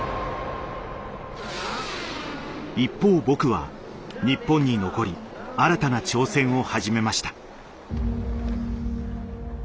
一方僕は日本に残り新たな挑戦を始めました。